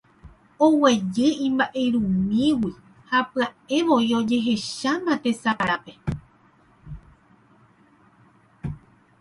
Oguejy imba'yrumýigui ha pya'evoi ojehecháma tesaparápe.